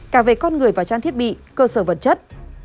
cả về con người và trang thiết bị cơ sở vật chất